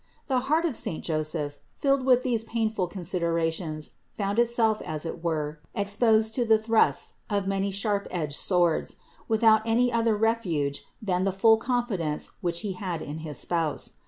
The heart of saint Joseph, filled with these painful consider ations, found itself as it were exposed to the thrusts of many sharp edged swords, without any other refuge than the full confidence which he had in his Spouse.